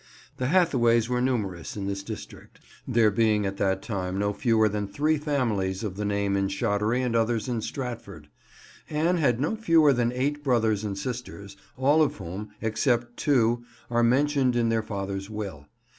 The Hathaways were numerous in this district, there being at that time no fewer than three families of the name in Shottery and others in Stratford. Anne had no fewer than eight brothers and sisters, all of whom, except two, are mentioned in their father's will.